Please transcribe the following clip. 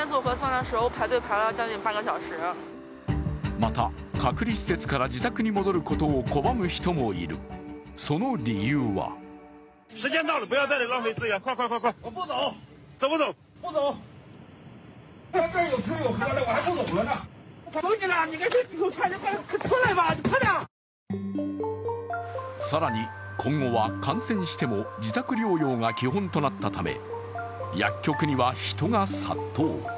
また隔離施設から自宅に戻ることを拒む人もいる、その理由は更に今後は、感染しても自宅療養が基本となったため薬局には人が殺到。